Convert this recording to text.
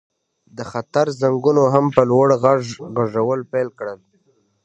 د خطر زنګونو هم په لوړ غږ غږول پیل کړل